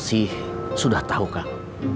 asih sudah tahu kang